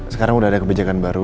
sekarang udah ada kebijakan baru